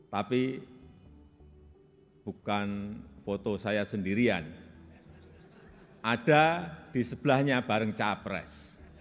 tapi bukan foto saya sendirian ada di sebelahnya bareng capres